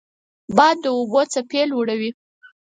باد د اوبو څپې لوړوي